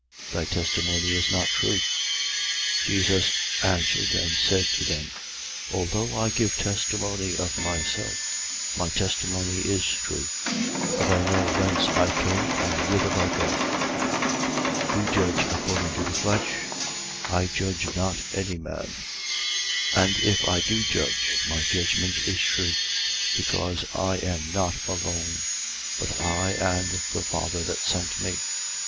Thy testimony is not true. 8:14. Jesus answered and said to them: Although I give testimony of myself, my testimony is true: for I know whence I came and whither I go. 8:15. You judge according to the flesh: I judge not any man. 8:16. And if I do judge, my judgment is true: because I am not alone, but I and the Father that sent me. 8:17.